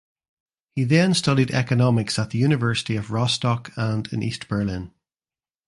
He then studied economics at the University of Rostock and in East Berlin.